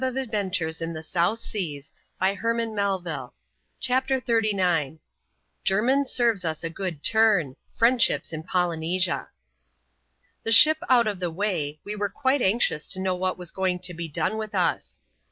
l4 16S ADVENTURES IN THE SOUTH SEAa [chap, zzm CHAPTER XXXTX. Jennin serves us a good torn. — Friendships in Polynesia. The ship out of the way, we were quite anxious to know lAat was going to be done with us.